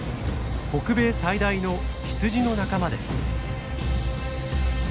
北米最大のヒツジの仲間です。